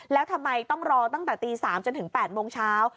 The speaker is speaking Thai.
แล้วทำไมต้องรอตั้งแต่ตี๓จนถึง๘โมงเช้า